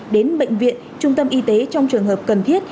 đến bệnh viện trung tâm y tế trong trường hợp cần thiết